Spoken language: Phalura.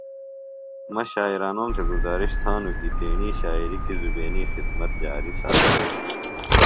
مہ شاعرانوم تھےۡ گزارش تھانوࣿ کیۡ تیݨی شاعری کیۡ زُیبینی خدمت جاری ساتوئی۔